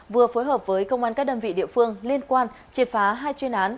vừa phối hợp với công an các đơn vị địa phương liên quan triệt phá hai chuyên án